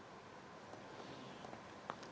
lalu cara apa bu ya yang perlu dipakai